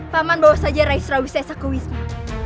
paman bawa saja rais rawi sesa ke wisma